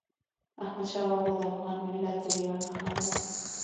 احمدشاه بابا د افغان ملت د ویاړ نښه ده.